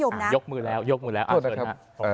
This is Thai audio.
ยกมือแล้วยกมือแล้ว